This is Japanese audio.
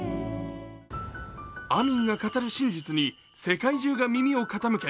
アミンが語る真実に世界中が耳を傾け、